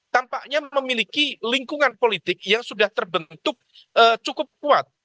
tampaknya memiliki lingkungan politik yang sudah terbentuk cukup kuat